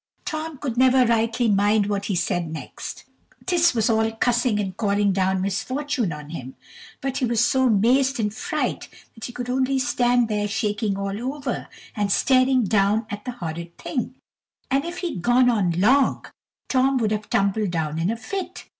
Tom could never rightly mind what he said next. 'T was all cussing and calling down misfortune on him; but he was so mazed in fright that he could only stand there shaking all over, and staring down at the horrid thing; and if he'd gone on long, Tom would have tumbled down in a fit.